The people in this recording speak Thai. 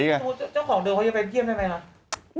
เจ้าของเดิมเขาจะไปเยี่ยมได้ไหมล่ะ